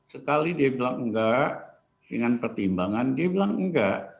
sekali dia bilang enggak dengan pertimbangan dia bilang enggak